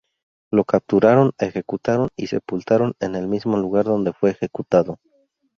Lo capturaron, ejecutaron y sepultaron en el mismo lugar donde fue ejecutado.